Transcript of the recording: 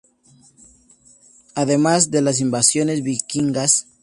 Además de las invasiones vikingas.